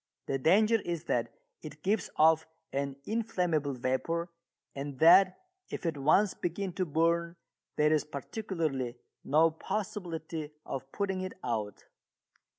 The danger is that it gives off an inflammable vapour and that if it once begin to burn there is practically no possibility of putting it out.